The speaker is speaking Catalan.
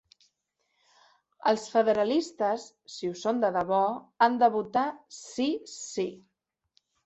Els federalistes, si ho són de debò, han de votar sí-sí.